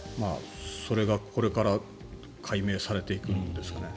それがこれから解明されていくんですかね。